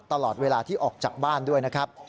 ตลอดเวลาที่ออกจากบ้านด้วยนะครับ